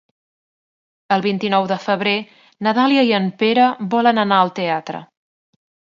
El vint-i-nou de febrer na Dàlia i en Pere volen anar al teatre.